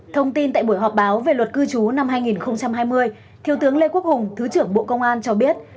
thông tin tại buổi họp báo về luật cư trú năm hai nghìn hai mươi thiếu tướng lê quốc hùng thứ trưởng bộ công an cho biết